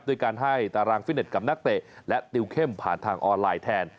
ด้วยการให้ตารางฟิตเน็ตกับนักเตะและติวเข้มผ่านทางออนไลน์แทน